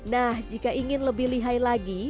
nah jika ingin lebih lihai lagi